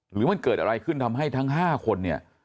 หรือมันเกิดอะไรขึ้นทำให้ทั้ง๕คนเนี่ย